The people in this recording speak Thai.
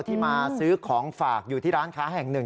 ที่มาซื้อของฝากอยู่ที่ร้านค้าแห่งหนึ่ง